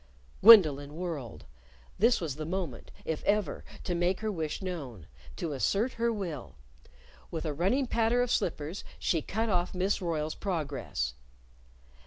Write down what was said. _ Gwendolyn whirled. This was the moment, if ever, to make her wish known to assert her will. With a running patter of slippers, she cut off Miss Royle's progress.